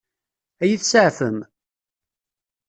Ad iyi-tseɛfem?